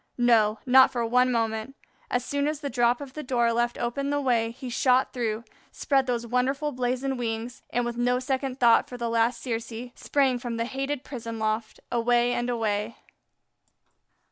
No, not for one moment. As soon as the drop of the door left open the way, he shot through, he spread those wonderful blazoned wings, and, with no second thought for the latest Circe, sprang from the hated prison loft away and away.